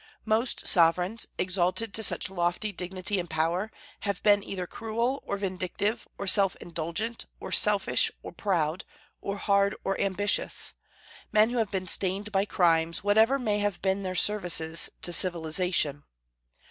Most sovereigns, exalted to such lofty dignity and power, have been either cruel, or vindictive, or self indulgent, or selfish, or proud, or hard, or ambitious, men who have been stained by crimes, whatever may have been their services to civilization.